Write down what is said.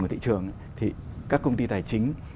của thị trường thì các công ty tài chính